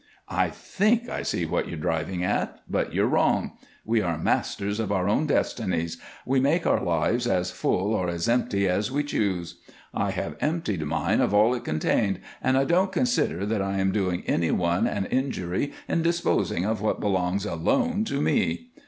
"I think I see what you're driving at, but you're wrong. We are masters of our own destinies; we make our lives as full or as empty as we choose. I have emptied mine of all it contained, and I don't consider that I am doing any one an injury in disposing of what belongs alone to me.